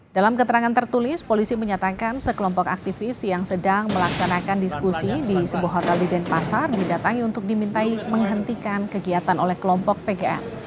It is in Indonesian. dalam keterangan tertulis polisi menyatakan sekelompok aktivis yang sedang melaksanakan diskusi di sebuah hotel di denpasar didatangi untuk dimintai menghentikan kegiatan oleh kelompok pgn